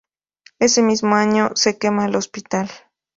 Ese mismo año se quema el hospital.